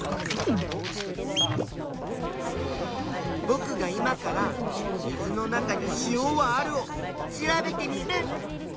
ぼくが今から水の中に「塩はある」を調べテミルン！